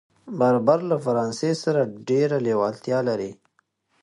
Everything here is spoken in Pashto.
بربر له فرانسې سره ډېره لېوالتیا لري.